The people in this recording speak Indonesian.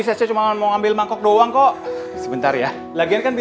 saya mau kasih kamu payung ini biar kamu gak sakit